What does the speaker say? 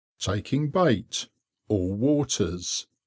TAKING BAIT.—ALL WATERS.